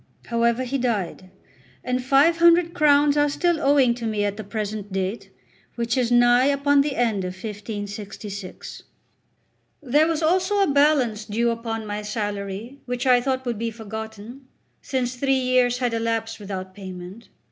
However, he died; and five hundred crowns are still owing to me at the present date, which is nigh upon the end of 1566. There was also a balance due upon my salary which I thought would be forgotten, since three years had elapsed without payment.